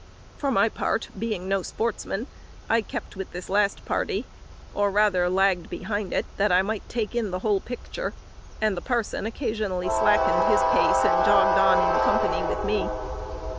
For my part, being no sportsman, I kept with this last party, or rather lagged behind, that I might take in the whole picture; and the parson occasionally slackened his pace and jogged on in company with me.